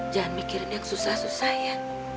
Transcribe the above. jangan mikirin yang susah susah ya